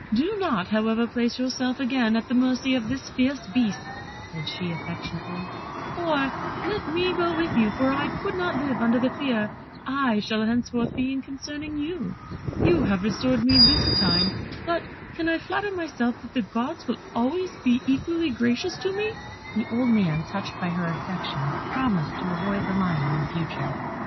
"Do not, however, place yourself again at the mercy of this fierce beast," said she, affectionately, "or let me go with you, for I could not live under the fear I shall henceforth be in concerning you. You have been restored to me this time, but can I flatter myself that the Gods will be always equally gracious to me." The old man, touched by her affection, promised to avoid the lion in future.